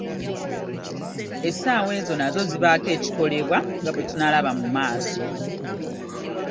Essaawa ezo nazo zibaako ekikolebwako nga bwe tunaalaba mu maaso.